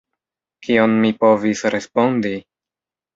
Kion mi povis respondi?